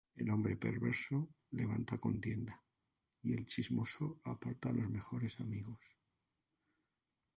El hombre perverso levanta contienda; Y el chismoso aparta los mejores amigos.